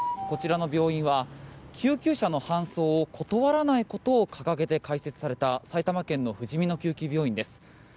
こちらの病院は救急車の搬送を断らないことを掲げて開設された埼玉県のふじみの救急病院です。